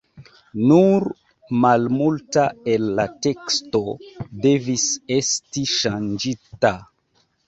Nur malmulta el la teksto devis esti ŝanĝita.